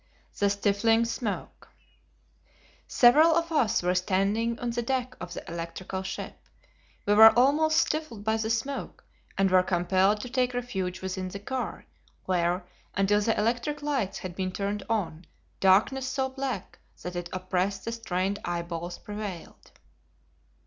The Stifling Smoke. Several of us were standing on the deck of the electrical ship. We were almost stifled by the smoke, and were compelled to take refuge within the car, where, until the electric lights had been turned on, darkness so black that it oppressed the strained eyeballs prevailed.